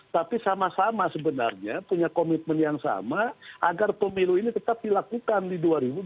tapi sama sama sebenarnya punya komitmen yang sama agar pemilu ini tetap dilakukan di dua ribu dua puluh